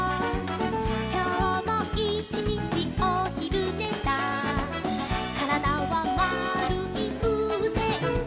「きょうもいちにちおひるねだ」「からだはまるいふうせんで」